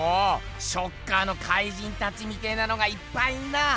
ショッカーの怪人たちみてぇなのがいっぱいいんなぁ！